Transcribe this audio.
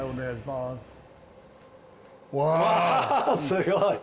すごい。